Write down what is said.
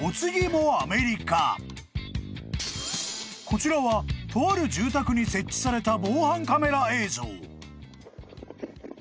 ［こちらはとある住宅に設置された防犯カメラ映像］